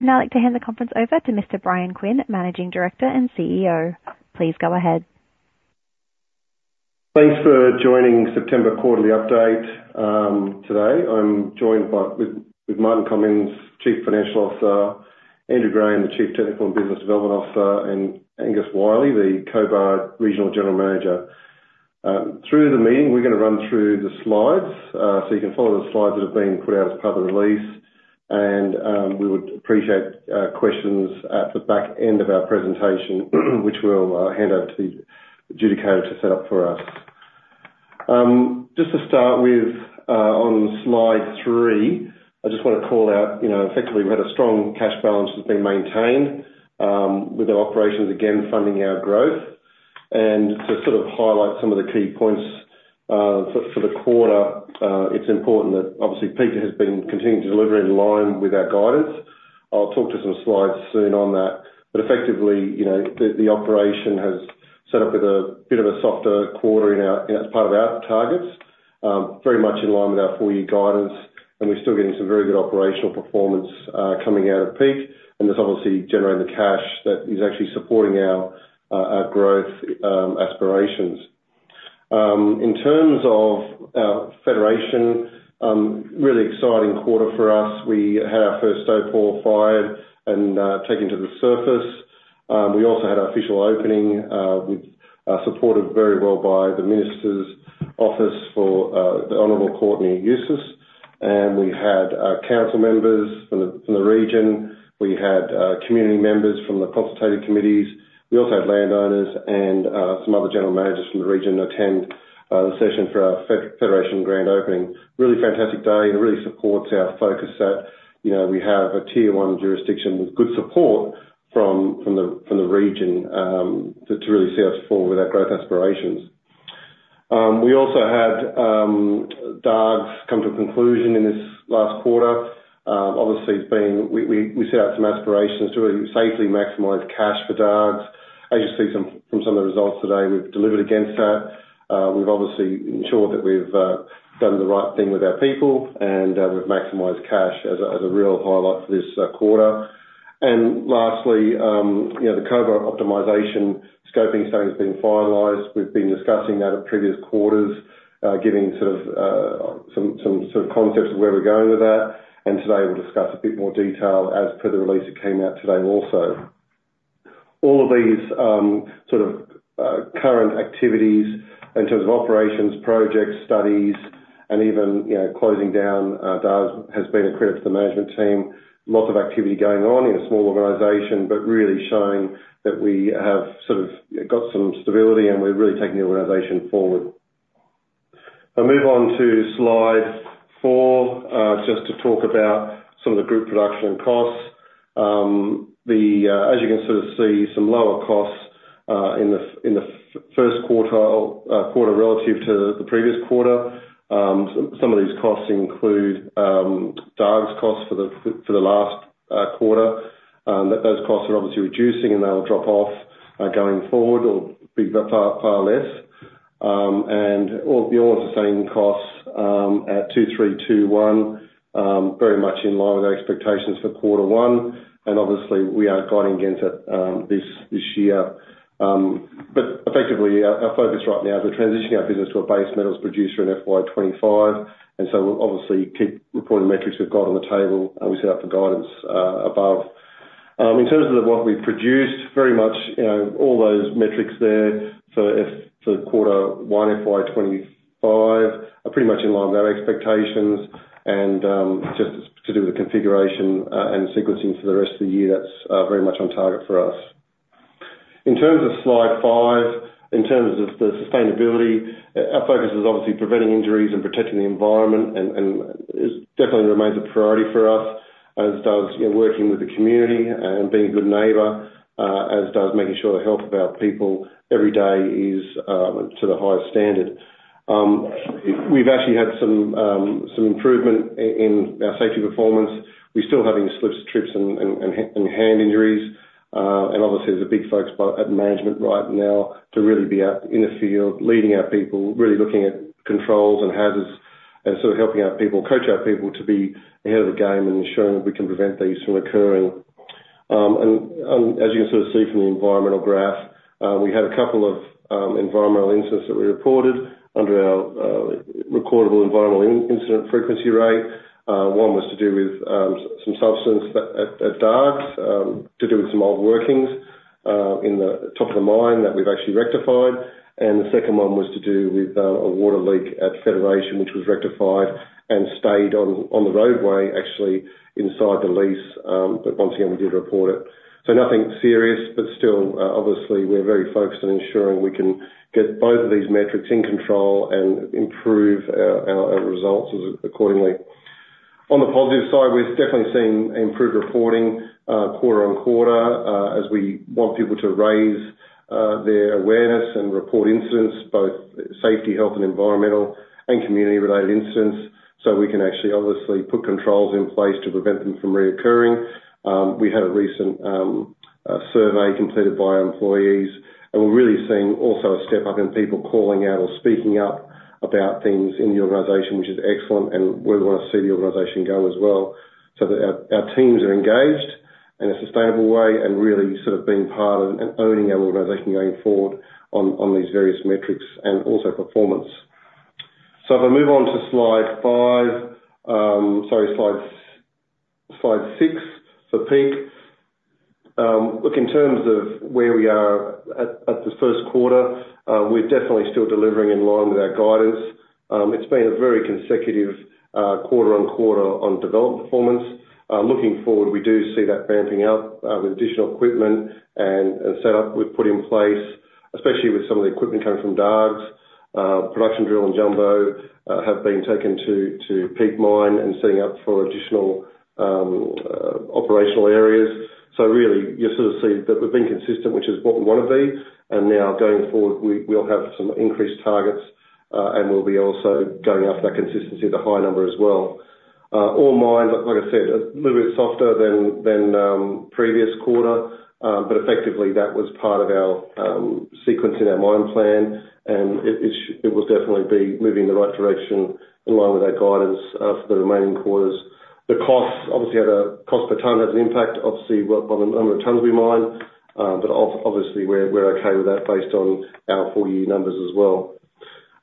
Now, I'd like to hand the conference over to Mr. Bryan Quinn, Managing Director and CEO. Please go ahead. Thanks for joining September quarterly update. Today, I'm joined with Martin Cummings, Chief Financial Officer, Andrew Graham, the Chief Technical and Business Development Officer, and Angus Wyllie, the Cobar Regional General Manager. Through the meeting, we're gonna run through the slides, so you can follow the slides that have been put out as part of the release, and we would appreciate questions at the back end of our presentation, which we'll hand over to the coordinator to set up for us. Just to start with, on slide three, I just want to call out, you know, effectively, we've had a strong cash balance that's been maintained with our operations, again, funding our growth. And to sort of highlight some of the key points, for the quarter, it's important that obviously Peak has been continuing to deliver in line with our guidance. I'll talk to some slides soon on that. But effectively, you know, the operation has set up with a bit of a softer quarter as part of our targets, very much in line with our full-year guidance, and we're still getting some very good operational performance coming out of Peak, and that's obviously generating the cash that is actually supporting our our growth aspirations. In terms of our Federation, really exciting quarter for us. We had our first stope qualified and taken to the surface. We also had our official opening, with supported very well by the minister's office for the Honourable Courtney Houssos, and we had council members from the region. We had community members from the consultative committees. We also had landowners and some other general managers from the region attend the session for our Federation grand opening. Really fantastic day, and really supports our focus that, you know, we have a Tier 1 jurisdiction with good support from the region, to really see us forward with our growth aspirations. We also had Dargues come to a conclusion in this last quarter. Obviously, it's been. We set out some aspirations to really safely maximize cash for Dargues. As you see from some of the results today, we've delivered against that. We've obviously ensured that we've done the right thing with our people, and we've maximized cash as a real highlight for this quarter. And lastly, you know, the Cobar optimization scoping study has been finalized. We've been discussing that at previous quarters, giving sort of some sort of context of where we're going with that, and today, we'll discuss a bit more detail as per the release that came out today, also. All of these sort of current activities in terms of operations, projects, studies, and even, you know, closing down Dargues, has been a credit to the management team. Lots of activity going on in a small organization, but really showing that we have sort of got some stability, and we're really taking the organization forward. I'll move on to slide four, just to talk about some of the group production and costs. As you can sort of see, some lower costs in the first quarter relative to the previous quarter. Some of these costs include Dargues costs for the last quarter. Those costs are obviously reducing, and they'll drop off going forward or be far, far less, and the All-In Sustaining Costs at 2,321 very much in line with our expectations for quarter one, and obviously, we are guiding against that this year. But effectively, our focus right now is we're transitioning our business to a base metals producer in FY 2025, and so we'll obviously keep reporting the metrics we've got on the table, and we set out the guidance above. In terms of what we've produced, very much, you know, all those metrics there, for quarter one FY 2025 are pretty much in line with our expectations, and just to do the configuration and sequencing for the rest of the year, that's very much on target for us. In terms of slide five, in terms of the sustainability, our focus is obviously preventing injuries and protecting the environment, and it definitely remains a priority for us, as does, you know, working with the community and being a good neighbor, as does making sure the health of our people every day is to the highest standard. We've actually had some improvement in our safety performance. We're still having slips, trips, and hand injuries, and obviously, there's a big focus by management right now to really be out in the field, leading our people, really looking at controls and hazards, and sort of helping our people, coach our people to be ahead of the game and ensuring that we can prevent these from occurring. And as you can sort of see from the environmental graph, we had a couple of environmental incidents that we reported under our recordable environmental incident frequency rate. One was to do with some substance at Dargues to do with some old workings in the top of the mine that we've actually rectified. And the second one was to do with a water leak at Federation, which was rectified and stayed on the roadway, actually inside the lease, but once again, we did report it. So nothing serious, but still, obviously, we're very focused on ensuring we can get both of these metrics in control and improve our results accordingly. On the positive side, we've definitely seen improved reporting, quarter on quarter, as we want people to raise their awareness and report incidents, both safety, health, and environmental, and community-related incidents, so we can actually obviously put controls in place to prevent them from recurring. We had a recent survey completed by our employees, and we're really seeing also a step up in people calling out or speaking up about things in the organization, which is excellent, and where we want to see the organization go as well, so that our teams are engaged in a sustainable way, and really sort of being part of and owning our organization going forward on these various metrics and also performance. So if I move on to slide five, sorry, slide six, so Peak. Look, in terms of where we are at, at the first quarter, we're definitely still delivering in line with our guidance. It's been a very consecutive, quarter on quarter on development performance. Looking forward, we do see that ramping up, with additional equipment and set up we've put in place, especially with some of the equipment coming from Dargues. Production drill and jumbo have been taken to Peak Mine and setting up for additional operational areas. So really, you'll sort of see that we've been consistent, which is what we want to be, and now going forward, we'll have some increased targets, and we'll be also going after that consistency at a high number as well. All mines, like I said, a little bit softer than previous quarter, but effectively, that was part of our sequence in our mine plan, and it will definitely be moving in the right direction along with our guidance for the remaining quarters. The costs, obviously, at a cost per ton, has an impact, obviously, well, on the tons we mine, but obviously, we're okay with that based on our full year numbers as well.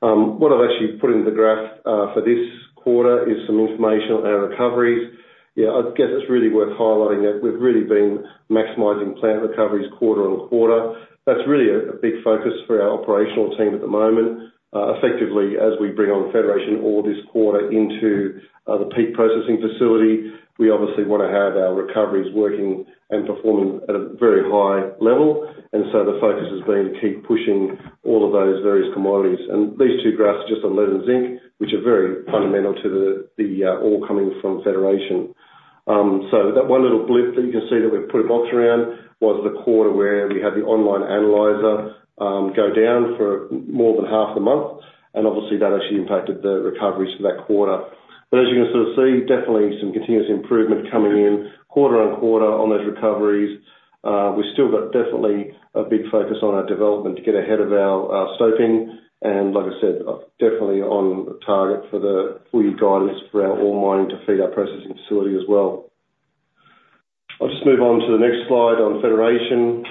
What I've actually put in the graph for this quarter is some information on our recoveries. Yeah, I guess it's really worth highlighting that we've really been maximizing plant recoveries quarter on quarter. That's really a big focus for our operational team at the moment. Effectively, as we bring on Federation ore this quarter into the Peak Processing Facility, we obviously want to have our recoveries working and performing at a very high level, and so the focus has been to keep pushing all of those various commodities. These two graphs are just on lead and zinc, which are very fundamental to the ore coming from Federation. So that one little blip that you can see that we've put a box around was the quarter where we had the online analyser go down for more than 1/2 the month, and obviously that actually impacted the recoveries for that quarter. As you can sort of see, definitely some continuous improvement coming in quarter on quarter on those recoveries. We've still got definitely a big focus on our development to get ahead of our stoping, and like I said, definitely on target for the full year guidance for our ore mining to feed our processing facility as well. I'll just move on to the next slide on Federation.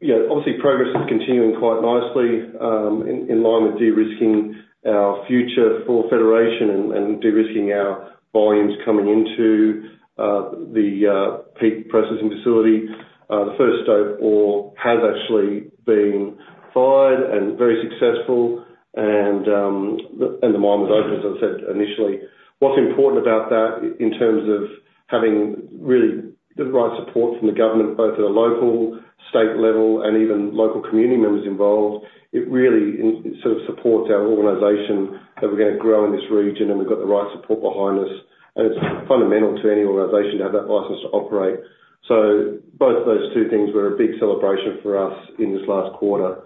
Yeah, obviously, progress is continuing quite nicely, in line with de-risking our future for Federation and de-risking our volumes coming into the Peak Processing Facility. The first stope ore has actually been mined and very successful, and the mine was opened, as I said initially. What's important about that, in terms of having really the right support from the government, both at a local, state level, and even local community members involved, it really it sort of supports our organization, that we're gonna grow in this region, and we've got the right support behind us, and it's fundamental to any organization to have that license to operate. So both those two things were a big celebration for us in this last quarter.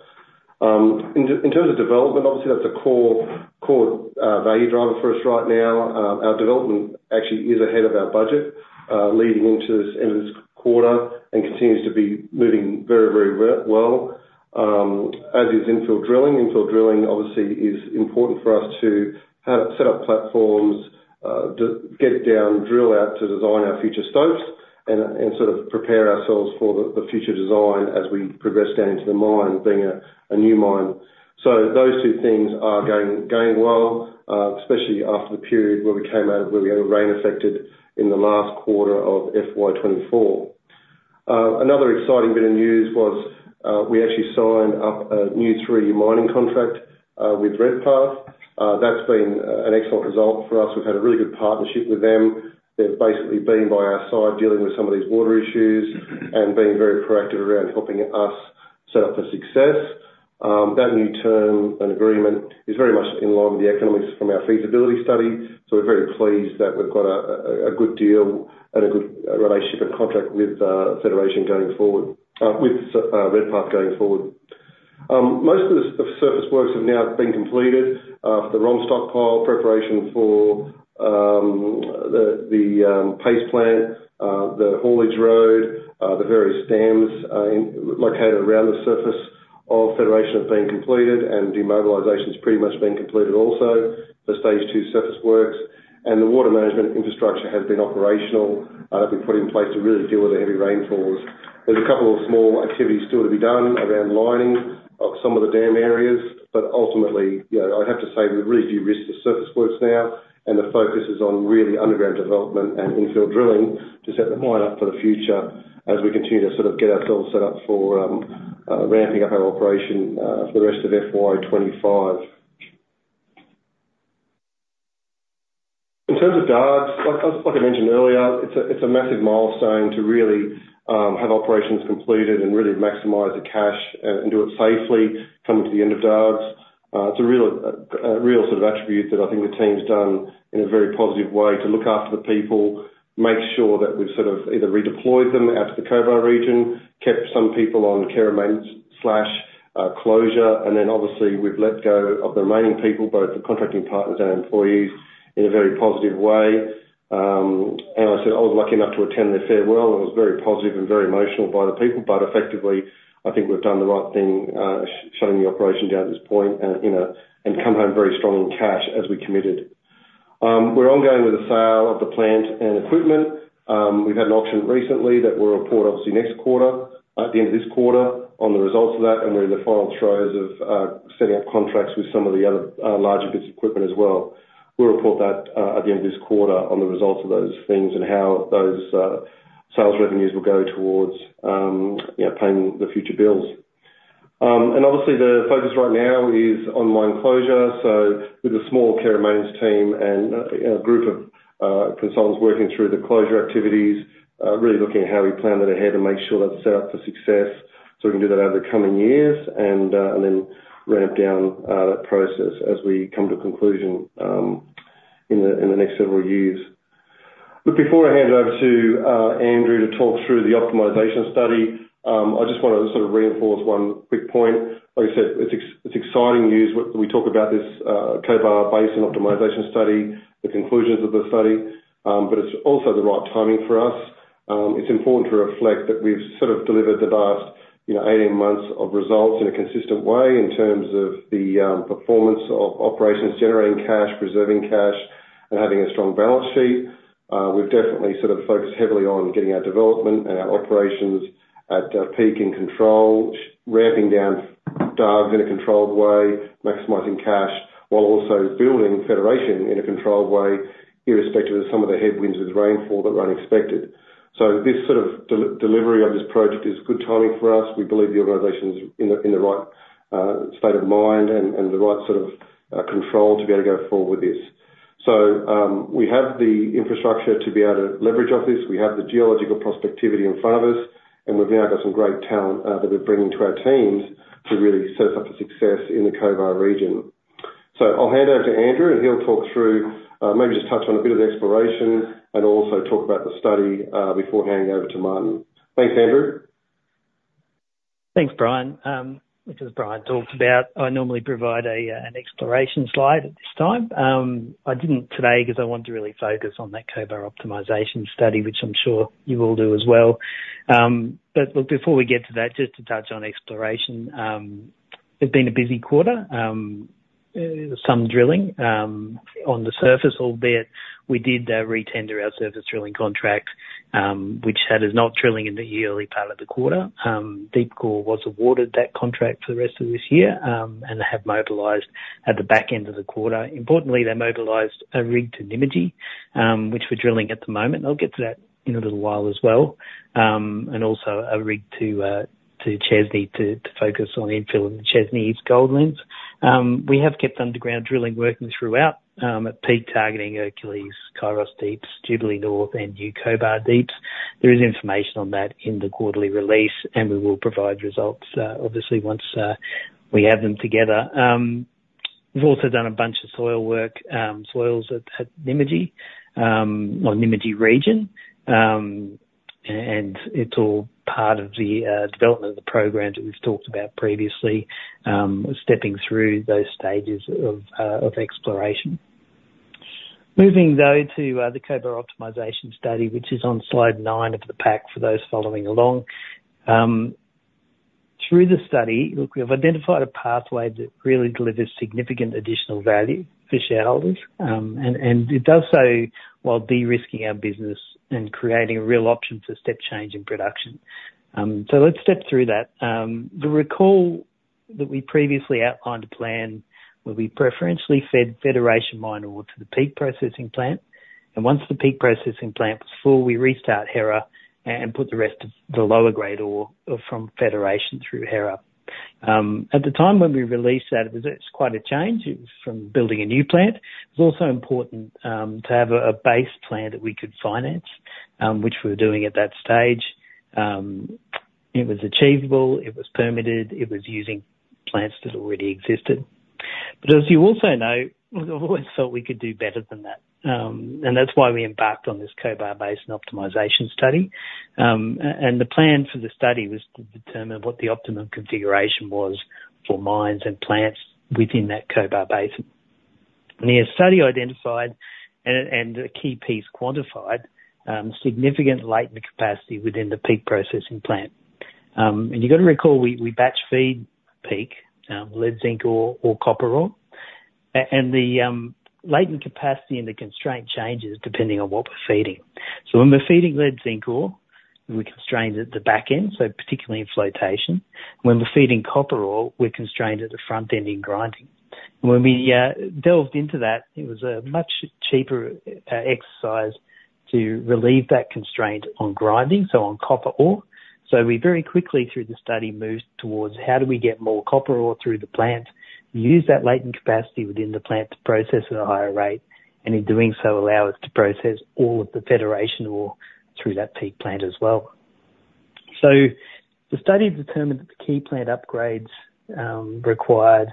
In terms of development, obviously, that's a core value driver for us right now. Our development actually is ahead of our budget, leading into this end of this quarter and continues to be moving very, very well, as is infill drilling. Infill drilling, obviously, is important for us to have set up platforms, to get down, drill out, to design our future stopes and sort of prepare ourselves for the future design as we progress down into the mine, being a new mine. So those two things are going well, especially after the period where we came out of, where we were rain affected in the last quarter of FY 2024. Another exciting bit of news was, we actually signed up a new three-year mining contract, with Redpath. That's been, an excellent result for us. We've had a really good partnership with them. They've basically been by our side, dealing with some of these water issues and being very proactive around helping us set up for success. That new term and agreement is very much in line with the economics from our feasibility study, so we're very pleased that we've got a good deal and a good relationship and contract with Federation going forward, with Redpath going forward. Most of the surface works have now been completed. The ore stockpile preparation for the paste plant, the haulage road, the various dams located around the surface of Federation have been completed, and demobilization has pretty much been completed also, the phase two surface works. The water management infrastructure has been operational, been put in place to really deal with the heavy rainfalls. There's a couple of small activities still to be done around lining of some of the dam areas, but ultimately, you know, I'd have to say we have really few risks to surface works now, and the focus is on really underground development and infill drilling to set the mine up for the future as we continue to sort of get ourselves set up for ramping up our operation for the rest of FY 2025. In terms of Dargues, like I mentioned earlier, it's a massive milestone to really have operations completed and really maximize the cash and do it safely coming to the end of Dargues. It's a real sort of attribute that I think the team's done in a very positive way to look after the people, make sure that we've sort of either redeployed them out to the Cobar region, kept some people on care and maintenance, closure, and then obviously we've let go of the remaining people, both the contracting partners and employees, in a very positive way. And I said I was lucky enough to attend their farewell. It was very positive and very emotional by the people, but effectively, I think we've done the right thing, shutting the operation down at this point and, you know, and come home very strongly in cash, as we committed. We're ongoing with the sale of the plant and equipment. We've had an auction recently that we'll report obviously next quarter, at the end of this quarter, on the results of that, and we're in the final throes of setting up contracts with some of the other larger bits of equipment as well. We'll report that at the end of this quarter on the results of those things and how those sales revenues will go towards, you know, paying the future bills. And obviously the focus right now is on mine closure, so with a small Care and Maintenance team, and you know, a group of consultants working through the closure activities, really looking at how we plan that ahead and make sure that's set up for success, so we can do that over the coming years, and then ramp down that process as we come to conclusion in the next several years. But before I hand over to Andrew to talk through the optimization study, I just want to sort of reinforce one quick point. Like I said, it's exciting news. We talk about this Cobar Basin Optimization Study, the conclusions of the study, but it's also the right timing for us. It's important to reflect that we've sort of delivered the last, you know, eighteen months of results in a consistent way in terms of the performance of operations, generating cash, preserving cash, and having a strong balance sheet. We've definitely sort of focused heavily on getting our development and our operations at Peak and Cobar, ramping down drives in a controlled way, maximizing cash, while also building Federation in a controlled way, irrespective of some of the headwinds with rainfall that were unexpected. So this sort of delivery of this project is good timing for us. We believe the organization's in the right state of mind and the right sort of control to be able to go forward with this. So we have the infrastructure to be able to leverage off this. We have the geological prospectivity in front of us, and we've now got some great talent that we're bringing to our teams to really set us up for success in the Cobar region. So I'll hand over to Andrew, and he'll talk through maybe just touch on a bit of the exploration, and also talk about the study before handing over to Martin. Thanks, Andrew. Thanks, Bryan. As Bryan talked about, I normally provide an exploration slide at this time. I didn't today, 'cause I wanted to really focus on that Cobar Optimization Study, which I'm sure you will do as well. But look, before we get to that, just to touch on exploration, it's been a busy quarter. Some drilling on the surface, albeit we did re-tender our surface drilling contract, which had us not drilling in the early part of the quarter. Deepcore was awarded that contract for the rest of this year, and have mobilized at the back end of the quarter. Importantly, they mobilized a rig to Nymagee, which we're drilling at the moment. I'll get to that in a little while as well. And also a rig to Chesney to focus on infilling the Chesney East gold lens. We have kept underground drilling working throughout at Peak targeting Hercules, Kairos Deeps, Jubilee North, and New Cobar Deeps. There is information on that in the quarterly release, and we will provide results obviously once we have them together. We've also done a bunch of soil work, soils at Nymagee or Nymagee region. And it's all part of the development of the programs that we've talked about previously, stepping through those stages of exploration. Moving though to the Cobar Optimization Study, which is on slide nine of the pack for those following along. Through the study, look, we've identified a pathway that really delivers significant additional value for shareholders, and it does so while de-risking our business and creating a real option for step change in production, so let's step through that. Recall that we previously outlined a plan where we preferentially fed Federation Mine ore to the Peak processing plant, and once the Peak processing plant was full, we restart Hera and put the rest of the lower grade ore from Federation through Hera. At the time when we released that, it was quite a change. It was from building a new plant. It was also important to have a base plan that we could finance, which we were doing at that stage. It was achievable, it was permitted, it was using plants that already existed. But as you also know, we always thought we could do better than that, and that's why we embarked on this Cobar Basin Optimization Study. And the plan for the study was to determine what the optimum configuration was for mines and plants within that Cobar Basin. And the study identified, and a key piece quantified, significant latent capacity within the Peak processing plant. And you've got to recall, we batch feed Peak, lead zinc ore or copper ore, and the latent capacity and the constraint changes depending on what we're feeding. So when we're feeding lead zinc ore, we're constrained at the back end, so particularly in flotation. When we're feeding copper ore, we're constrained at the front end in grinding. When we delved into that, it was a much cheaper exercise to relieve that constraint on grinding, so on copper ore. So we very quickly, through the study, moved towards how do we get more copper ore through the plant, use that latent capacity within the plant to process at a higher rate, and in doing so, allow us to process all of the Federation ore through that Peak plant as well. So the study determined that the key plant upgrades required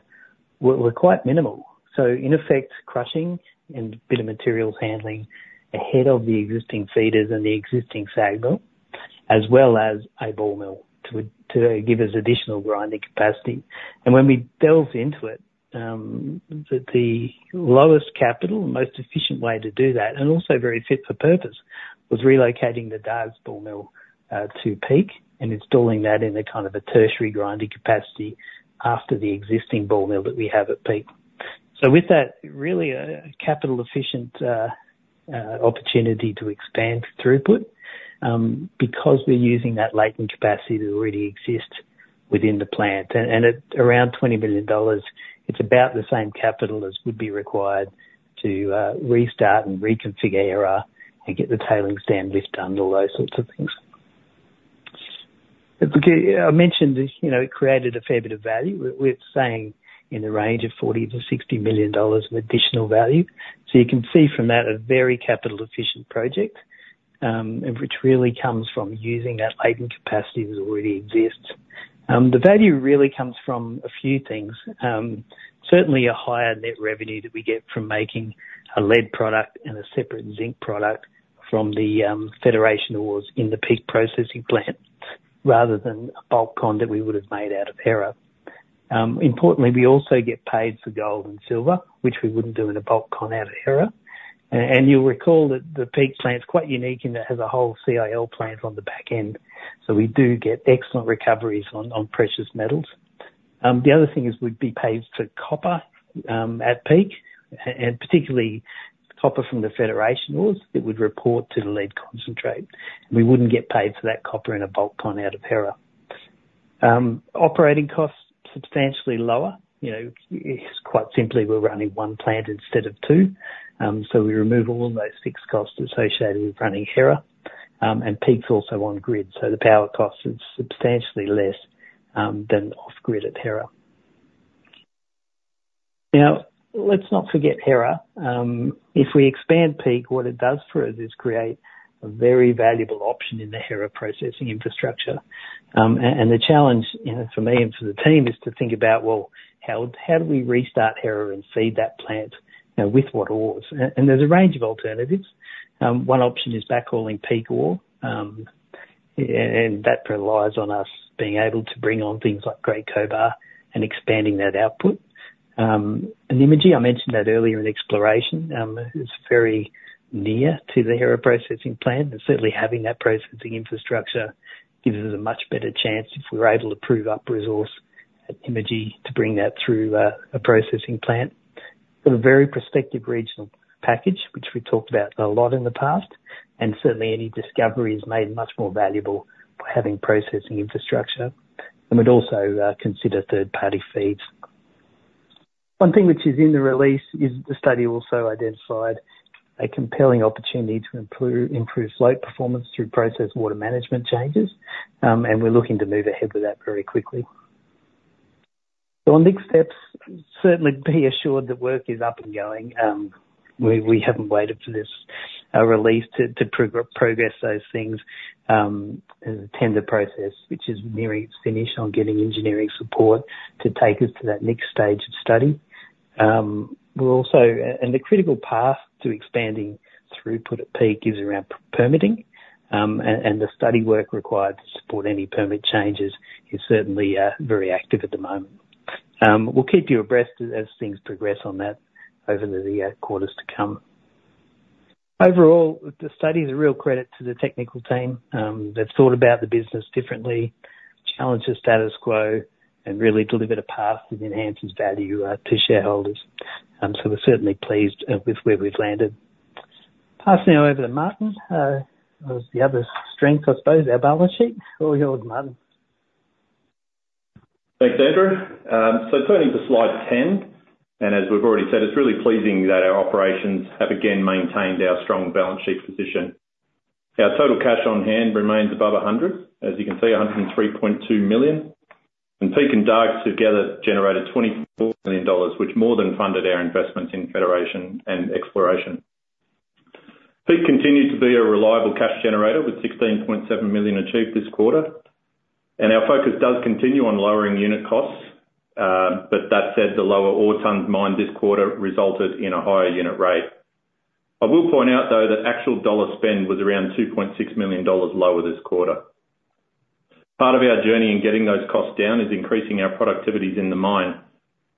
were quite minimal. So in effect, crushing and a bit of materials handling ahead of the existing feeders and the existing SAG mill, as well as a ball mill to give us additional grinding capacity. And when we delved into it, the lowest capital, most efficient way to do that, and also very fit for purpose-... was relocating the Dargues ball mill to Peak and installing that in a kind of a tertiary grinding capacity after the existing ball mill that we have at Peak. So with that, really a capital efficient opportunity to expand throughput, because we're using that latent capacity that already exists within the plant. And at around 20 million dollars, it's about the same capital as would be required to restart and reconfigure Hera, and get the tailings dam lift done, all those sorts of things. Okay, I mentioned, you know, it created a fair bit of value. We're saying in the range of 40 million-60 million dollars of additional value. So you can see from that, a very capital efficient project, and which really comes from using that latent capacity that already exists. The value really comes from a few things. Certainly a higher net revenue that we get from making a lead product and a separate zinc product from the Federation ores in the Peak processing plant, rather than a bulk con that we would've made out of Hera. Importantly, we also get paid for gold and silver, which we wouldn't do in a bulk con out of Hera. And you'll recall that the Peak plant's quite unique in that it has a whole CIL plant on the back end. So we do get excellent recoveries on precious metals. The other thing is we'd be paid for copper at Peak, and particularly copper from the Federation ores, that would report to the lead concentrate. We wouldn't get paid for that copper in a bulk con out of Hera. Operating costs, substantially lower. You know, it's quite simply, we're running one plant instead of two. So we remove all of those fixed costs associated with running Hera, and Peak's also on grid, so the power cost is substantially less than off-grid at Hera. Now, let's not forget Hera. If we expand Peak, what it does for us is create a very valuable option in the Hera processing infrastructure. And the challenge, you know, for me and for the team, is to think about, well, how do we restart Hera and feed that plant, you know, with what ores? And there's a range of alternatives. One option is backhauling Peak ore, and that relies on us being able to bring on things like Great Cobar and expanding that output. And Nymagee, I mentioned that earlier in exploration, is very near to the Hera processing plant, and certainly having that processing infrastructure gives us a much better chance if we're able to prove up resource at Nymagee to bring that through a processing plant. Got a very prospective regional package, which we've talked about a lot in the past, and certainly any discovery is made much more valuable by having processing infrastructure, and we'd also consider third party feeds. One thing which is in the release is the study also identified a compelling opportunity to improve stope performance through process water management changes. And we're looking to move ahead with that very quickly. So on next steps, certainly be assured that work is up and going. We haven't waited for this release to progress those things. There's a tender process, which is nearing its finish on getting engineering support to take us to that next stage of study. We're also and the critical path to expanding throughput at Peak is around permitting, and the study work required to support any permit changes is certainly very active at the moment. We'll keep you abreast as things progress on that over the quarters to come. Overall, the study is a real credit to the technical team. They've thought about the business differently, challenged the status quo, and really delivered a path that enhances value to shareholders. So we're certainly pleased with where we've landed. Passing over to Martin, who has the other strength, I suppose, our balance sheet. All yours, Martin. Thanks, Andrew. So turning to slide 10, and as we've already said, it's really pleasing that our operations have again maintained our strong balance sheet position. Our total cash on hand remains above 100 million, as you can see, 103.2 million, and Peak and Dargues together generated 24 million dollars, which more than funded our investments in Federation and exploration. Peak continued to be a reliable cash generator, with 16.7 million achieved this quarter, and our focus does continue on lowering unit costs. But that said, the lower ore tons mined this quarter resulted in a higher unit rate. I will point out, though, that actual dollar spend was around 2.6 million dollars lower this quarter. Part of our journey in getting those costs down is increasing our productivities in the mine.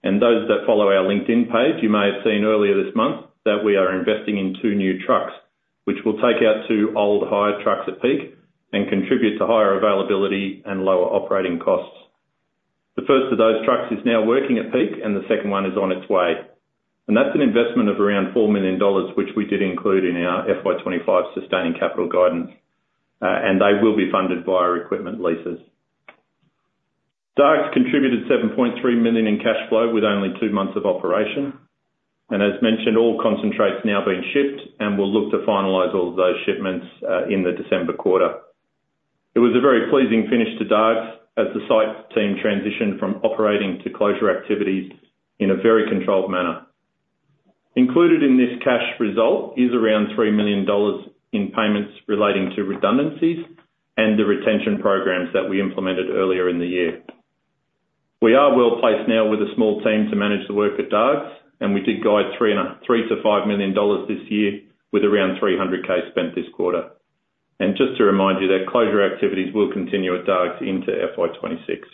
Those that follow our LinkedIn page, you may have seen earlier this month that we are investing in two new trucks, which will take out two old hired trucks at Peak and contribute to higher availability and lower operating costs. The first of those trucks is now working at Peak, and the second one is on its way, and that's an investment of around 4 million dollars, which we did include in our FY 2025 sustaining capital guidance, and they will be funded via equipment leases. Dargues contributed 7.3 million in cash flow with only two months of operation, and as mentioned, all concentrate's now being shipped, and we'll look to finalize all of those shipments in the December quarter. It was a very pleasing finish to Dargues as the site team transitioned from operating to closure activities in a very controlled manner. Included in this cash result is around 3 million dollars in payments relating to redundancies and the retention programs that we implemented earlier in the year. We are well-placed now with a small team to manage the work at Dargues, and we did guide 3 million-5 million dollars this year, with around 300,000 spent this quarter. Just to remind you that closure activities will continue at Dargues into FY 2026.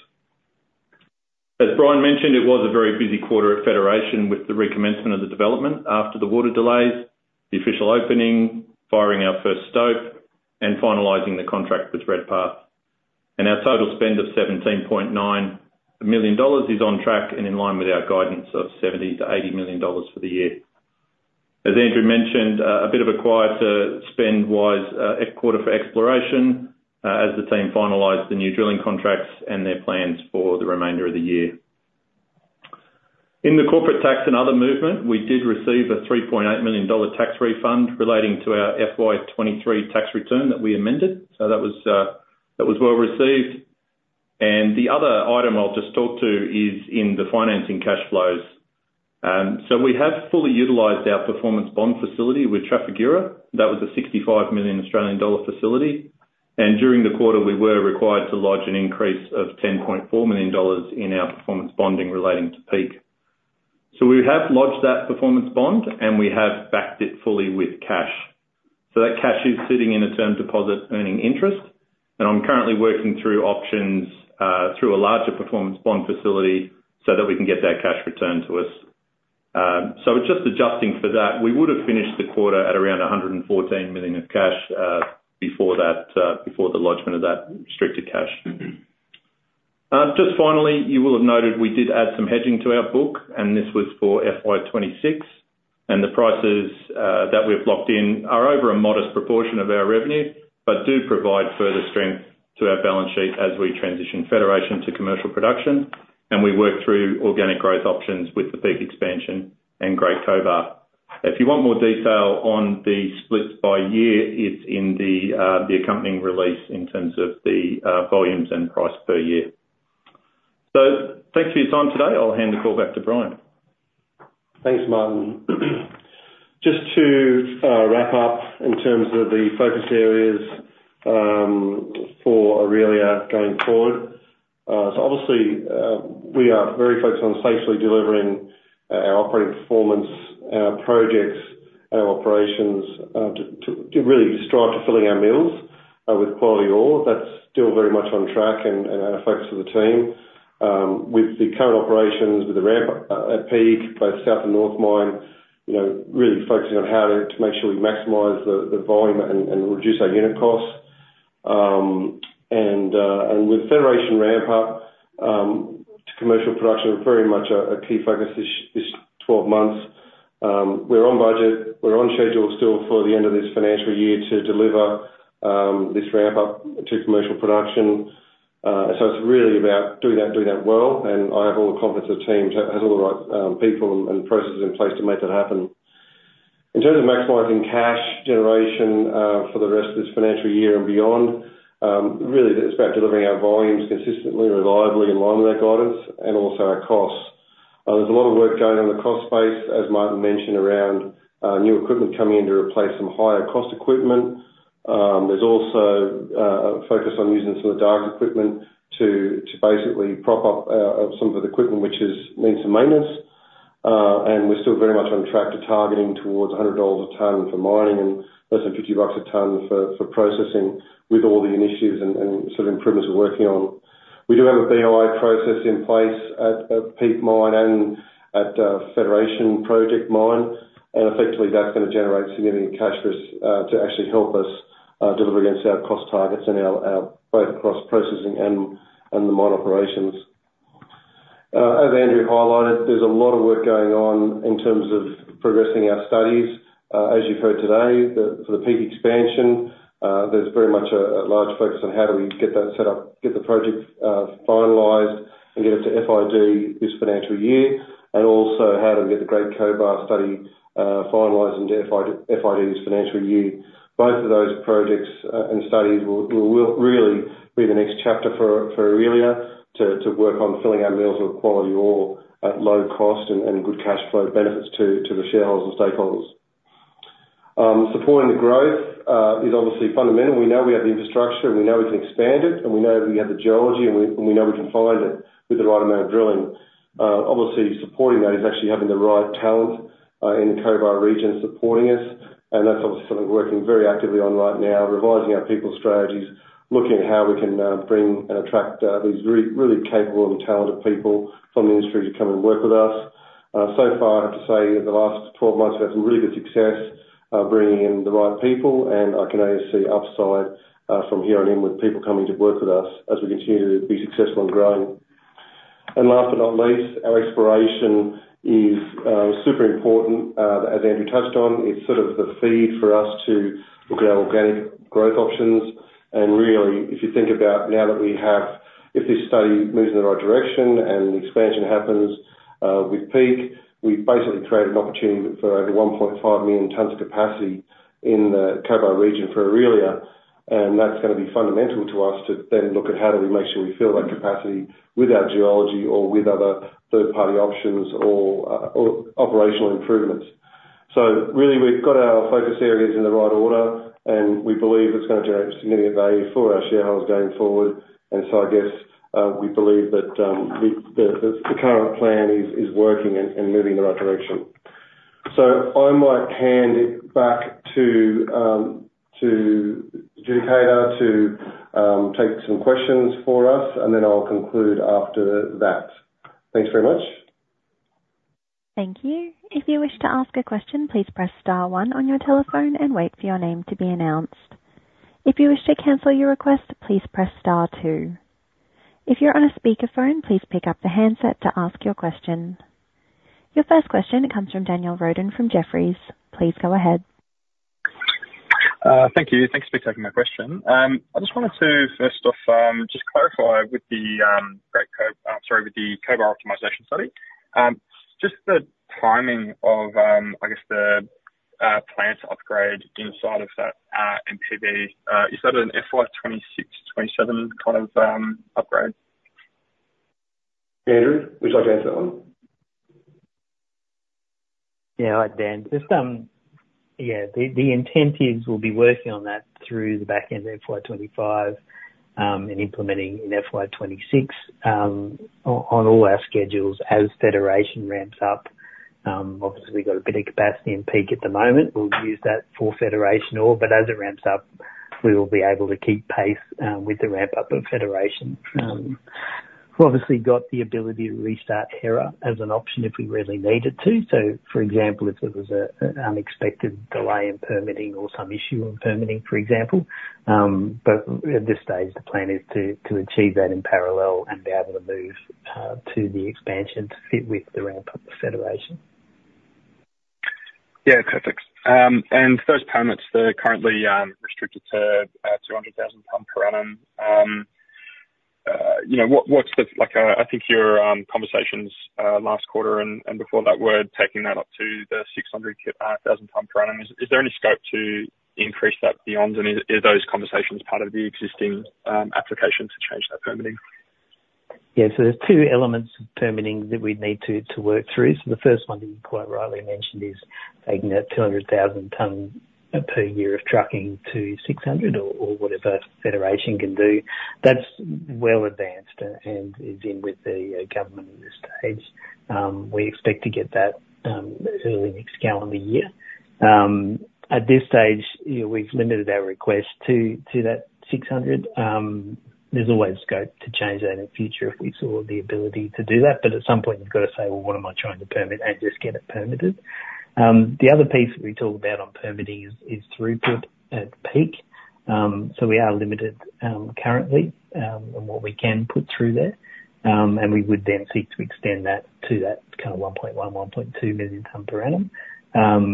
As Bryan mentioned, it was a very busy quarter at Federation, with the recommencement of the development after the water delays, the official opening, firing our first stope, and finalizing the contract with Redpath. Our total spend of 17.9 million dollars is on track and in line with our guidance of 70 million-80 million dollars for the year. As Andrew mentioned, a bit of a quieter spend-wise, quarter for exploration, as the team finalized the new drilling contracts and their plans for the remainder of the year. In the corporate tax and other movement, we did receive an 3.8 million dollar tax refund relating to our FY 2023 tax return that we amended. So that was, that was well received. And the other item I'll just talk to is in the financing cash flows. So we have fully utilized our performance bond facility with Trafigura. That was an 65 million Australian dollar facility, and during the quarter, we were required to lodge an increase of AUD 10.4 million in our performance bond relating to Peak. So we have lodged that performance bond, and we have backed it fully with cash. So that cash is sitting in a term deposit earning interest, and I'm currently working through options through a larger performance bond facility so that we can get that cash returned to us. So it's just adjusting for that. We would've finished the quarter at around 114 million of cash before that before the lodgement of that restricted cash. Just finally, you will have noted we did add some hedging to our book, and this was for FY 2026, and the prices that we've locked in are over a modest proportion of our revenue, but do provide further strength to our balance sheet as we transition Federation to commercial production, and we work through organic growth options with the Peak Expansion and Great Cobar. If you want more detail on the splits by year, it's in the accompanying release in terms of the volumes and price per year. So thanks for your time today. I'll hand the call back to Bryan. Thanks, Martin. Just to wrap up in terms of the focus areas for Aurelia going forward. So obviously, we are very focused on safely delivering our operating performance, our projects, and our operations to really strive to filling our mills with quality ore. That's still very much on track and a focus of the team. With the current operations, with the ramp up at Peak, both South and North Mine, you know, really focusing on how to make sure we maximize the volume and reduce our unit costs. And with Federation ramp up to commercial production, very much a key focus this 12 months. We're on budget, we're on schedule still for the end of this financial year to deliver this ramp up to commercial production. So it's really about doing that, and doing that well, and I have all the confidence that the team has all the right people and processes in place to make that happen. In terms of maximizing cash generation for the rest of this financial year and beyond, really it's about delivering our volumes consistently, reliably, in line with our guidance and also our costs. There's a lot of work going on in the cost space, as Martin mentioned, around new equipment coming in to replace some higher cost equipment. There's also a focus on using some of the Dargues equipment to basically prop up some of the equipment which needs some maintenance. And we're still very much on track to targeting towards 100 dollars a ton for mining, and less than 50 bucks a ton for processing, with all the initiatives and sort of improvements we're working on. We do have a BOI process in place at Peak Mine and at Federation Mine, and effectively, that's gonna generate significant cash for us to actually help us deliver against our cost targets and our both across processing and the mine operations. As Andrew highlighted, there's a lot of work going on in terms of progressing our studies. As you've heard today, for the Peak Expansion, there's very much a large focus on how do we get that set up, get the project finalized, and get it to FID this financial year, and also how to get the Great Cobar study finalized into FID this financial year. Both of those projects and studies will really be the next chapter for Aurelia to work on filling our mills with quality ore at low cost and good cash flow benefits to the shareholders and stakeholders. Supporting the growth is obviously fundamental. We know we have the infrastructure, and we know we can expand it, and we know we have the geology, and we know we can find it with the right amount of drilling. Obviously, supporting that is actually having the right talent in the Cobar region supporting us, and that's obviously something we're working very actively on right now, revising our people strategies, looking at how we can bring and attract these really, really capable and talented people from the industry to come and work with us. So far, I have to say, the last 12 months, we've had some really good success bringing in the right people, and I can only see upside from here on in with people coming to work with us as we continue to be successful and growing. Last but not least, our exploration is super important as Andrew touched on. It's sort of the feed for us to look at our organic growth options. And really, if you think about now that we have, if this study moves in the right direction and the expansion happens with Peak, we've basically created an opportunity for over 1.5 million tons of capacity in the Cobar region for Aurelia, and that's gonna be fundamental to us to then look at how do we make sure we fill that capacity with our geology or with other third-party options or operational improvements. So really, we've got our focus areas in the right order, and we believe it's gonna generate significant value for our shareholders going forward. And so I guess we believe that the current plan is working and moving in the right direction. I might hand it back to the coordinator to take some questions for us, and then I'll conclude after that. Thanks very much. Thank you. If you wish to ask a question, please press star one on your telephone and wait for your name to be announced. If you wish to cancel your request, please press star two. If you're on a speakerphone, please pick up the handset to ask your question. Your first question comes from Daniel Roden, from Jefferies. Please go ahead. Thank you. Thanks for taking my question. I just wanted to first off, just clarify with the Great Cobar Optimization Study, just the timing of, I guess, the plans to upgrade inside of that NPV. Is that an FY 2026-FY 2027 kind of upgrade? Andrew, would you like to answer that one? Yeah, hi, Dan. Just, yeah, the intent is we'll be working on that through the back end of FY 2025, and implementing in FY 2026, on all our schedules as Federation ramps up. Obviously, we've got a bit of capacity in Peak at the moment. We'll use that for Federation all, but as it ramps up, we will be able to keep pace, with the ramp-up of Federation. We've obviously got the ability to restart Hera as an option if we really need it to. So, for example, if there was a, an unexpected delay in permitting or some issue in permitting, for example. But at this stage, the plan is to achieve that in parallel and be able to move, to the expansion to fit with the ramp-up of Federation. Yeah, perfect. And those permits, they're currently restricted to two hundred thousand ton per annum. You know, what's the... Like, I think your conversations last quarter and before that were taking that up to the six hundred thousand ton per annum. Is there any scope to increase that beyond? And are those conversations part of the existing application to change that permitting? Yeah. So there's two elements of permitting that we'd need to work through. So the first one, you quite rightly mentioned, is taking that 200,000 tons per year of trucking to 600,000 tons or whatever Federation can do. That's well advanced and is in with the government at this stage. We expect to get that early next calendar year. At this stage, you know, we've limited our request to that 600,000 tons. There's always scope to change that in future if we saw the ability to do that. But at some point you've got to say, "Well, what am I trying to permit?" And just get it permitted. The other piece that we talked about on permitting is throughput at Peak. So we are limited currently on what we can put through there. And we would then seek to extend that to that kind of 1.1 million ton per annum-1.2 million ton per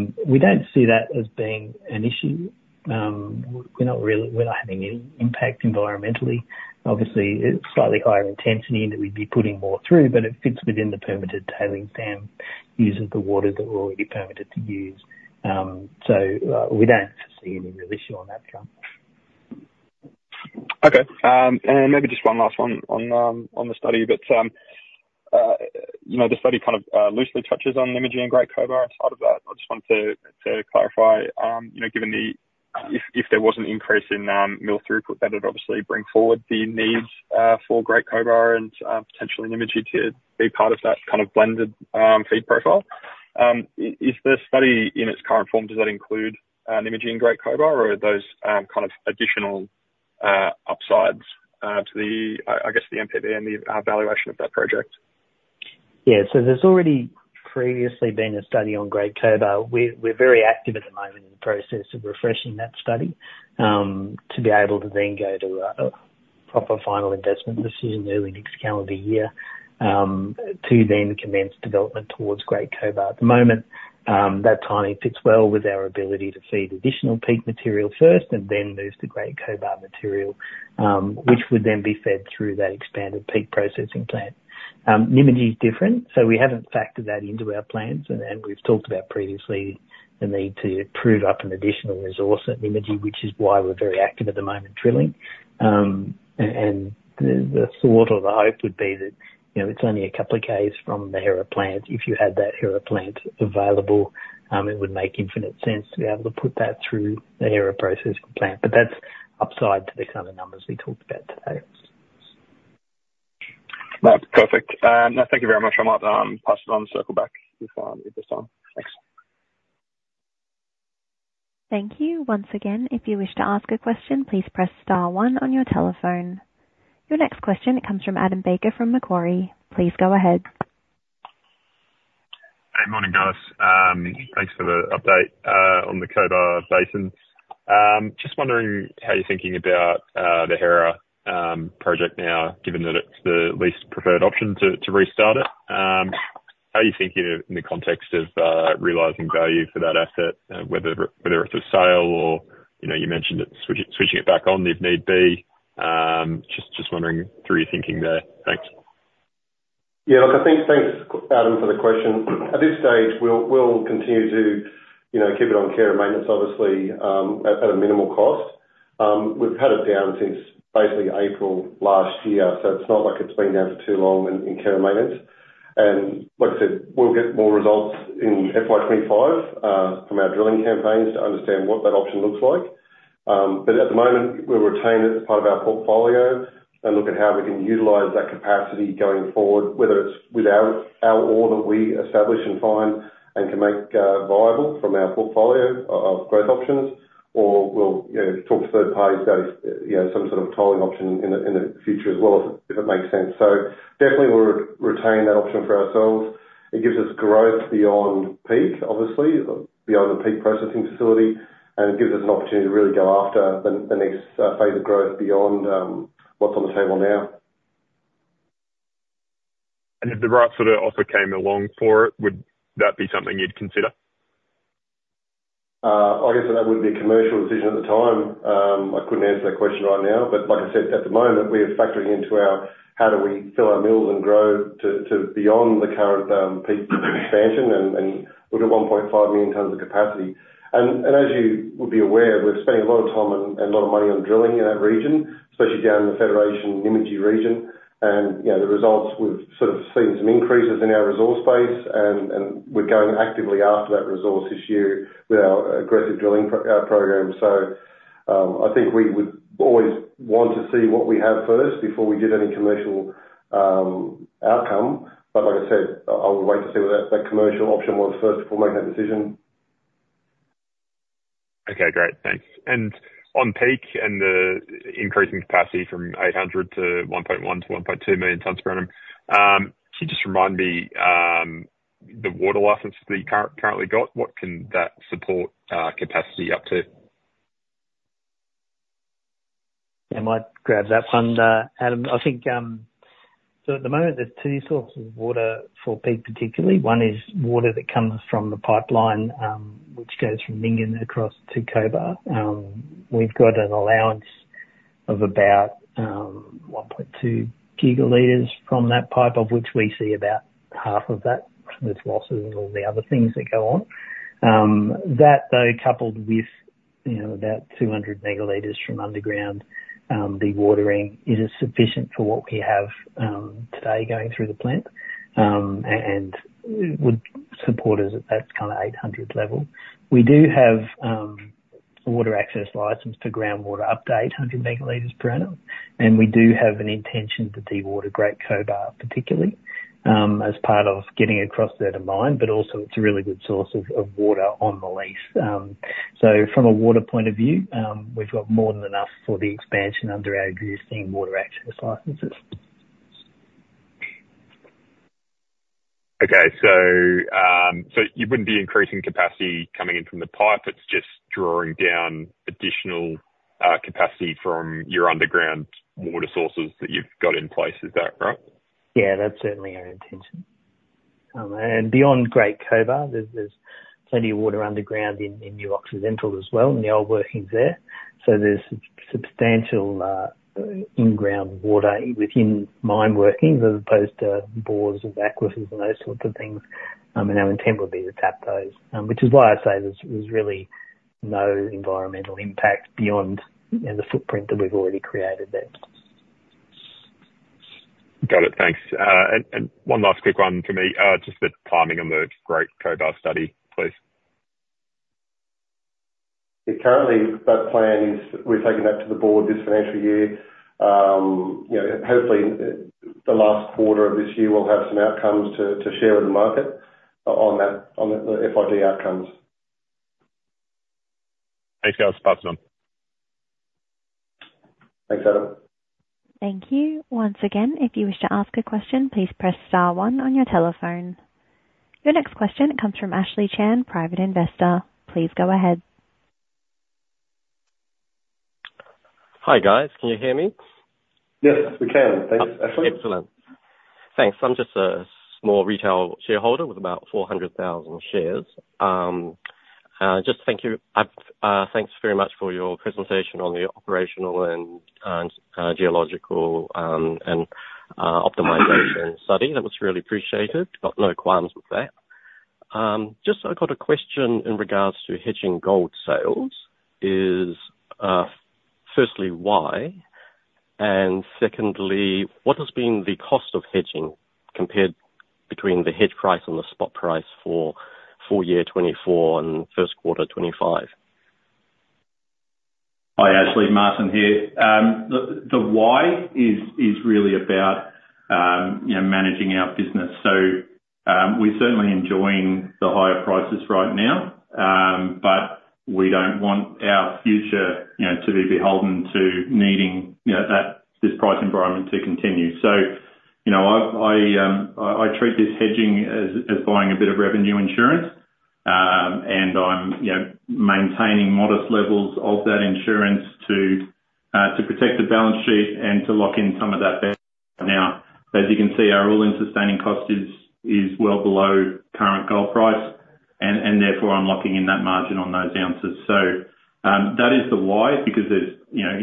annum. We don't see that as being an issue. We're not having any impact environmentally. Obviously, it's slightly higher intensity and that we'd be putting more through, but it fits within the permitted tailings dam use of the water that we're already permitted to use. So, we don't see any real issue on that front. Okay, and maybe just one last one on the study. But you know, the study kind of loosely touches on the Nymagee and Great Cobar as part of that. I just wanted to clarify, you know, given the... If there was an increase in mill throughput, that would obviously bring forward the need for Great Cobar and potentially Nymagee to be part of that kind of blended feed profile. Is the study in its current form, does that include Nymagee and Great Cobar, or are those kind of additional upsides to the, I guess, the MPP and the valuation of that project? Yeah. So there's already previously been a study on Great Cobar. We're very active at the moment in the process of refreshing that study to be able to then go to a proper final investment decision early next calendar year to then commence development towards Great Cobar. At the moment, that timing fits well with our ability to feed additional Peak material first and then move to Great Cobar material, which would then be fed through that expanded Peak processing plant. Nymagee is different, so we haven't factored that into our plans. And we've talked about previously the need to prove up an additional resource at Nymagee, which is why we're very active at the moment drilling. And the thought or the hope would be that, you know, it's only a couple of K's from the Hera plant. If you had that Hera plant available, it would make infinite sense to be able to put that through the Hera processing plant, but that's upside to the kind of numbers we talked about today. That's perfect. Now, thank you very much. I might pass it on and circle back if I'm with the time. Thanks. Thank you. Once again, if you wish to ask a question, please press star one on your telephone. Your next question comes from Adam Baker, from Macquarie. Please go ahead. Hey, morning, guys. Thanks for the update on the Cobar Basin. Just wondering how you're thinking about the Hera project now, given that it's the least preferred option to restart it. How are you thinking in the context of realizing value for that asset, whether it's a sale or, you know, you mentioned it, switching it back on, if need be. Just wondering through your thinking there. Thanks. Yeah, look, I think. Thanks, Adam, for the question. At this stage, we'll continue to keep it on care and maintenance, obviously, at a minimal cost. We've had it down since basically April last year, so it's not like it's been down for too long in care and maintenance. And like I said, we'll get more results in FY 2025 from our drilling campaigns to understand what that option looks like. But at the moment, we'll retain it as part of our portfolio and look at how we can utilize that capacity going forward, whether it's with our ore that we establish and find, and can make viable from our portfolio of growth options, or we'll, you know, talk to third parties about, you know, some sort of tolling option in the future as well, if it makes sense. So definitely we'll retain that option for ourselves. It gives us growth beyond Peak, obviously, beyond the Peak Processing Facility, and it gives us an opportunity to really go after the next phase of growth beyond what's on the table now. If the right sort of offer came along for it, would that be something you'd consider? I guess that would be a commercial decision at the time. I couldn't answer that question right now, but like I said, at the moment, we are factoring into our how do we fill our mills and grow to beyond the current Peak Expansion, and look at 1.5 million tons of capacity. As you would be aware, we're spending a lot of time and a lot of money on drilling in that region, especially down in the Federation-Nymagee region. You know, the results, we've sort of seen some increases in our resource base, and we're going actively after that resource this year with our aggressive drilling program. I think we would always want to see what we have first before we give any commercial outcome. But like I said, I would wait to see what that commercial option was first before making that decision. Okay, great. Thanks. And on Peak and the increasing capacity from 800 tons per annum to 1.1 million tons per annum to 1.2 million tons per annum, can you just remind me, the water license that you currently got, what can that support, capacity up to? I might grab that one, Adam. I think, so at the moment, there's two sources of water for Peak particularly. One is water that comes from the pipeline, which goes from Nyngan across to Cobar. We've got an allowance of about 1.2 gigaliters from that pipe, of which we see about 1/2 of that, with losses and all the other things that go on. That though, coupled with, you know, about 200 megaliters from underground dewatering, it is sufficient for what we have today going through the plant and would support us at that kind of 800 megaliters level. We do have a water access license to groundwater up to 800 megaliters per annum, and we do have an intention to dewater Great Cobar, particularly, as part of getting across that of mine, but also it's a really good source of water on the lease. So from a water point of view, we've got more than enough for the expansion under our existing water access licenses. Okay. So, so you wouldn't be increasing capacity coming in from the pipe. It's just drawing down additional capacity from your underground water sources that you've got in place. Is that right? Yeah, that's certainly our intention. And beyond Great Cobar, there's plenty of water underground in New Occidental as well, and the old workings there. So there's substantial in-ground water within mine workings, as opposed to bores and aquifers and those sorts of things. And our intent would be to tap those, which is why I say there's really no environmental impact beyond, you know, the footprint that we've already created there. Got it. Thanks. And one last quick one for me. Just the timing on the Great Cobar Study, please. Yeah. Currently, that plan is... We're taking that to the board this financial year. You know, hopefully, the last quarter of this year, we'll have some outcomes to share with the market on that, on the FID outcomes. Thanks, guys. Awsome. Thanks, Adam. Thank you. Once again, if you wish to ask a question, please press star one on your telephone. Your next question comes from Ashley Chan, private investor. Please go ahead. Hi, guys. Can you hear me? Yes, we can. Thanks, Ashley. Excellent. Thanks. I'm just a small retail shareholder with about four hundred thousand shares. Just thank you. Thanks very much for your presentation on the operational and geological and optimization study. That was really appreciated. Got no qualms with that. Just I've got a question in regards to hedging gold sales: firstly, why? And secondly, what has been the cost of hedging, compared between the hedge price and the spot price for full year 2024 and first quarter 2025? Hi, Ashley. Martin here. The why is really about you know, managing our business. So, we're certainly enjoying the higher prices right now, but we don't want our future, you know, to be beholden to needing, you know, this price environment to continue. So, you know, I treat this hedging as buying a bit of revenue insurance, and I'm you know, maintaining modest levels of that insurance to protect the balance sheet and to lock in some of that back. Now, as you can see, our all-in sustaining cost is well below current gold price, and therefore I'm locking in that margin on those ounces. That is the why, because there's, you know,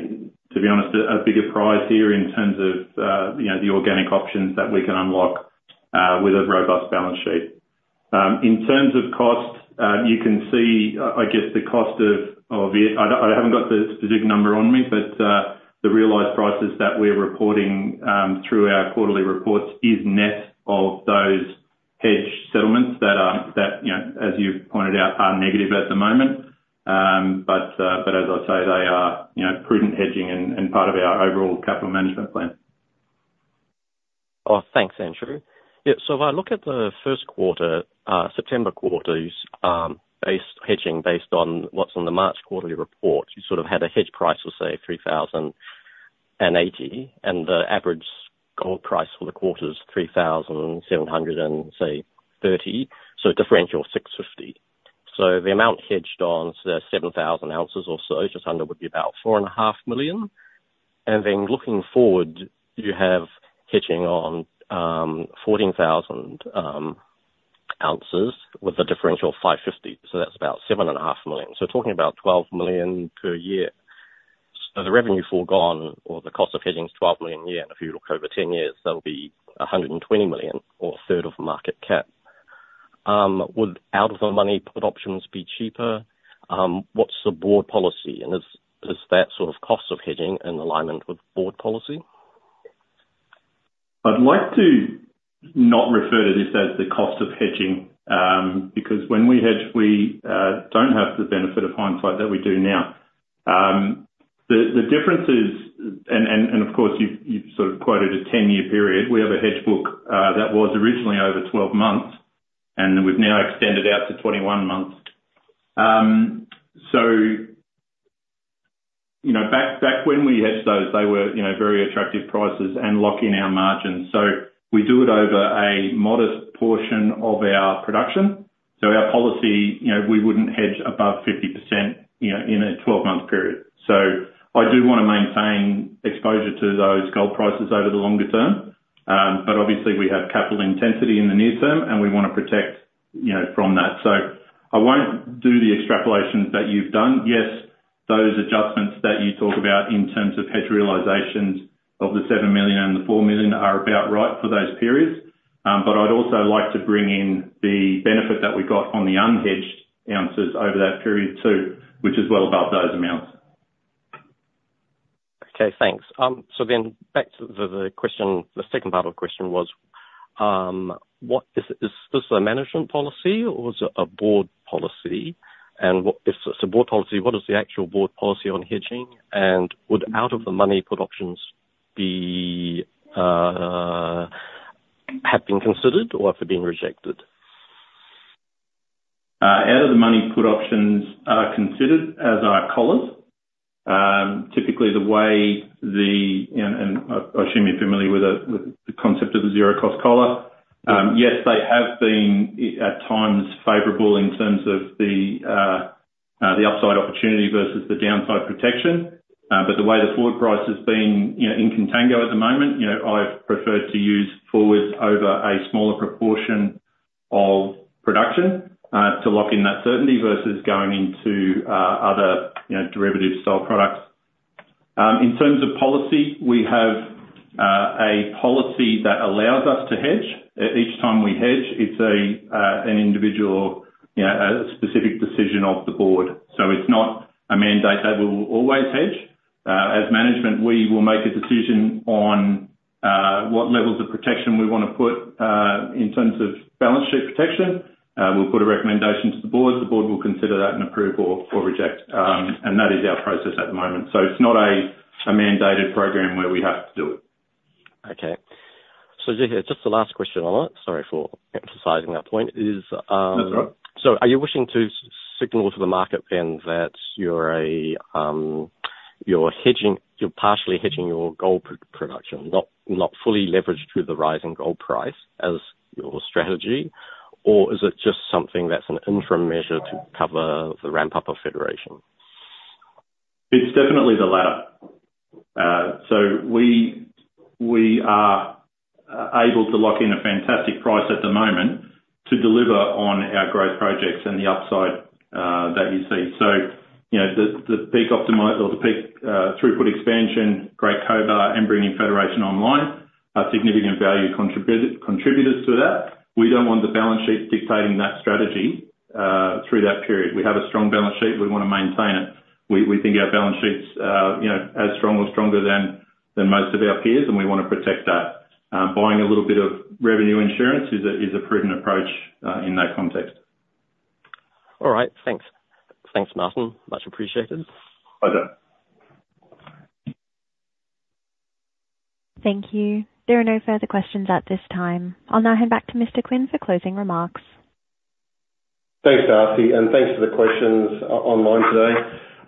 to be honest, a bigger prize here in terms of, you know, the organic options that we can unlock with a robust balance sheet. In terms of cost, you can see, I guess, the cost of it, I haven't got the specific number on me, but the realized prices that we're reporting through our quarterly reports is net of those hedge settlements that are, that, you know, as you've pointed out, are negative at the moment. As I say, they are, you know, prudent hedging and part of our overall capital management plan. Oh, thanks, actually. Yeah, so if I look at the first quarter, September quarter's based hedging, based on what's on the March quarterly report, you sort of had a hedge price of, say, 3,080, and the average gold price for the quarter is 3,730, so a differential of 650. So the amount hedged on the 7,000 ounces or so, just under, would be about 4.5 million. And then looking forward, you have hedging on 14,000 ounces with a differential of 550, so that's about 7.5 million. So we're talking about 12 million per year. So the revenue forgone or the cost of hedging is 12 million a year, and if you look over 10 years, that'll be 120 million or a third of the market cap. Would out-of-the-money put options be cheaper? What's the board policy, and is that sort of cost of hedging in alignment with board policy? I'd like to not refer to this as the cost of hedging, because when we hedge, we don't have the benefit of hindsight that we do now. The difference is, and of course, you've sort of quoted a 10-year period. We have a hedge book that was originally over 12 months, and we've now extended out to 21 months. So, you know, back when we hedged those, they were, you know, very attractive prices and lock in our margins, so we do it over a modest portion of our production. So our policy, you know, we wouldn't hedge above 50%, you know, in a 12-month period. So I do wanna maintain exposure to those gold prices over the longer term, but obviously we have capital intensity in the near term, and we wanna protect, you know, from that. So I won't do the extrapolations that you've done. Yes, those adjustments that you talk about in terms of hedge realizations of the 7 million and the 4 million are about right for those periods, but I'd also like to bring in the benefit that we got on the unhedged ounces over that period, too, which is well above those amounts. Okay, thanks. So then back to the question, the second part of the question was, what is this a management policy or is it a board policy? And what if it's a board policy, what is the actual board policy on hedging, and would out-of-the-money put options have been considered or have been rejected? Out-of-the-money put options are considered, as are collars. Typically, the way and I assume you're familiar with the concept of the zero-cost collar? Yes. Yes, they have been, at times, favorable in terms of the upside opportunity versus the downside protection. But the way the forward price has been, you know, in contango at the moment, you know, I've preferred to use forwards over a smaller proportion of production, to lock in that certainty versus going into other, you know, derivative style products. In terms of policy, we have a policy that allows us to hedge. Each time we hedge, it's an individual, you know, a specific decision of the board, so it's not a mandate that we will always hedge. As management, we will make a decision on what levels of protection we wanna put in terms of balance sheet protection. We'll put a recommendation to the board. The board will consider that and approve or reject, and that is our process at the moment. So it's not a mandated program where we have to do it. Okay. So, just the last question on it, sorry for emphasizing that point, is That's all right. So are you wishing to signal to the market then that you're hedging, you're partially hedging your gold production, not fully leveraged through the rising gold price as your strategy, or is it just something that's an interim measure to cover the ramp-up of Federation? It's definitely the latter. So we are able to lock in a fantastic price at the moment to deliver on our growth projects and the upside that you see. So, you know, the Peak optimize- or the Peak throughput expansion, Great Cobar and bringing Federation online, are significant value contributors to that. We don't want the balance sheet dictating that strategy through that period. We have a strong balance sheet. We wanna maintain it. We think our balance sheet's you know, as strong or stronger than most of our peers, and we wanna protect that. Buying a little bit of revenue insurance is a prudent approach in that context. All right. Thanks. Thanks, Martin. Much appreciated. Bye-bye. Thank you. There are no further questions at this time. I'll now hand back to Mr. Quinn for closing remarks. Thanks, Darcy, and thanks for the questions online today.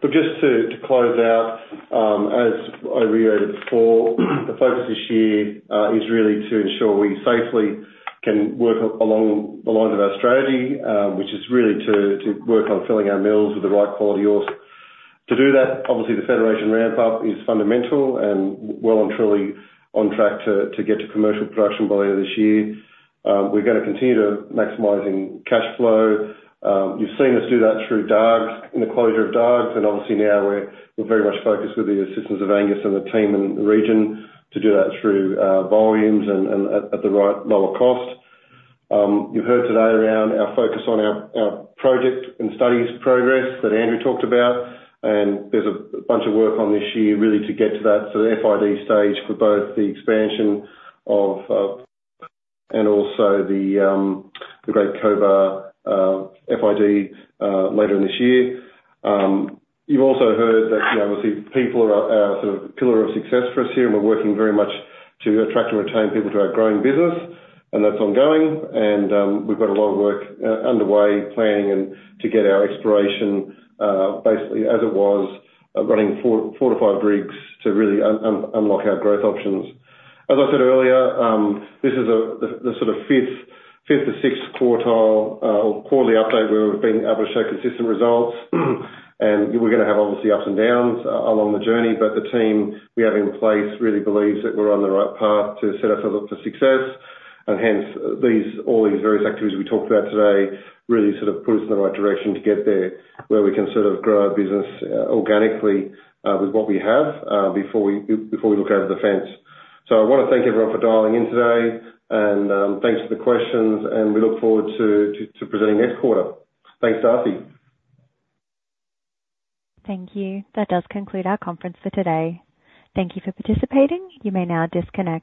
But just to close out, as I reiterated before, the focus this year is really to ensure we safely can work along the lines of our strategy, which is really to work on filling our mills with the right quality ores. To do that, obviously, the Federation ramp-up is fundamental and well and truly on track to get to commercial production by the end of this year. We're gonna continue to maximizing cash flow. You've seen us do that through Dargues, in the closure of Dargues, and obviously now we're very much focused with the assistance of Angus and the team in the region, to do that through volumes and at the right lower cost. You've heard today around our focus on our project and studies progress that Andrew talked about, and there's a bunch of work on this year really to get to that. So the FID stage for both the expansion of and also the Great Cobar FID later in this year. You've also heard that, you know, obviously, people are our sort of pillar of success for us here, and we're working very much to attract and retain people to our growing business, and that's ongoing. And we've got a lot of work underway, planning, and to get our exploration basically as it was running four to five rigs to really unlock our growth options. As I said earlier, this is the sort of fifth or sixth quarterly update where we've been able to show consistent results, and we're gonna have, obviously, ups and downs along the journey, but the team we have in place really believes that we're on the right path to set us up for success, and hence, all these various activities we talked about today really sort of put us in the right direction to get there, where we can sort of grow our business organically with what we have before we look over the fence. So I wanna thank everyone for dialing in today, and thanks for the questions, and we look forward to presenting next quarter. Thanks, Darcy. Thank you. That does conclude our conference for today. Thank you for participating. You may now disconnect.